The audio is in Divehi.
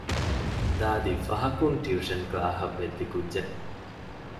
ދާދި ފަހަކުން ޓިއުޝަން ކްލާހަކަށް ވެއްދި ކުއްޖެއް